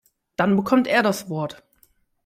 Dann bekommt er das Wort.